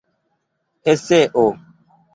eseo